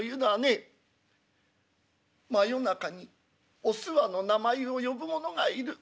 真夜中におすわの名前を呼ぶ者がいる。